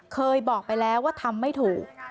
เคยบอกไปแล้วว่าทำไม่ถูก